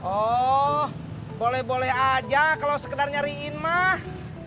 oh boleh boleh aja kalau sekedar nyariin mah